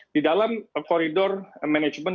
di dalam koridor manajemen